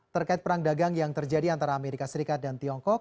terkait perang dagang yang terjadi antara amerika serikat dan tiongkok